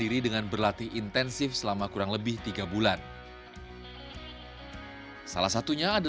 dan berlatih teknik lari bersama sebuah komunitas di kawasan senayan yang khusus menggelar latihan bagi anak anak penyandang autis dan berkebutuhan khusus